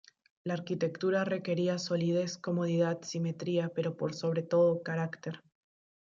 La arquitectura requería solidez, comodidad, simetría pero por sobre todo, carácter.